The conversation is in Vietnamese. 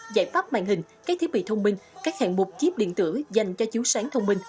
giải pháp màn hình các thiết bị thông minh các hạng mục chip điện tử dành cho chiếu sáng thông minh